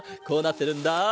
こうなってるんだ。